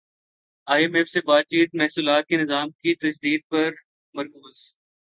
ئی M F سے بات چیت محصولات کے نظام کی تجدید پر مرکوز